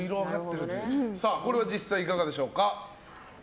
これは実際いかがでしょうか。